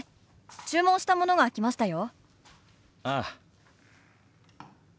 注文したものが来ましたよ。